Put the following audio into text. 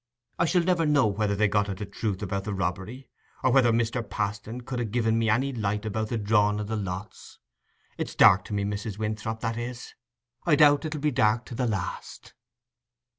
I shall never know whether they got at the truth o' the robbery, nor whether Mr. Paston could ha' given me any light about the drawing o' the lots. It's dark to me, Mrs. Winthrop, that is; I doubt it'll be dark to the last."